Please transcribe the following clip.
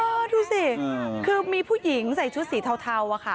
ดูสิคือมีผู้หญิงใส่ชุดสีเทาอะค่ะ